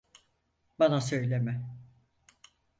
Bana söyleme.